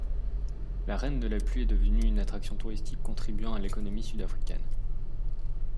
La reine de la pluie est devenue une attraction touristique contribuant à l’économie sud-africaine.